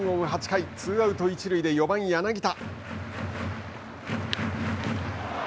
８回ツーアウト、一塁で４番柳田。